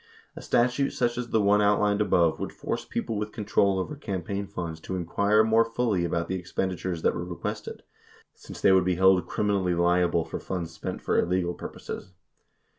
A statute such as the one outlined above would force people w r ith control over campaign funds to inquire more fully about the expenditures that were requested, since they would be held criminally liable for funds spent for illegal purposes.